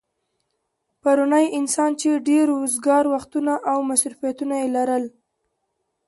پرونی انسان چې ډېر وزگار وختونه او مصروفيتونه يې لرل